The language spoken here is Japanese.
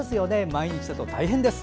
毎日だと大変です。